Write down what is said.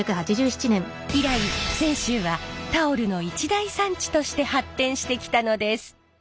以来泉州はタオルの一大産地として発展してきたのです。